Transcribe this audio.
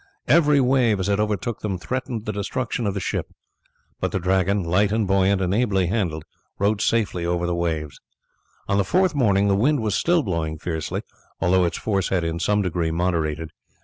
Every wave as it overtook them threatened the destruction of the ship; but the Dragon, light and buoyant, and ably handled, rode safely over the waves. On the fourth morning the wind was still blowing fiercely, although its force had in some degree moderated.